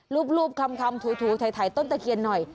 รูปคำถูถ่ายต้นตะเคียนหน่อย